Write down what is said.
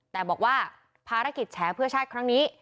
แต่บอกว่าภารกิจแฉเพื่อชาติครั้งนี้